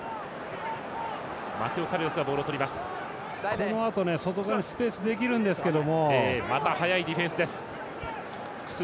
このあと、外側にスペースできるんですけど。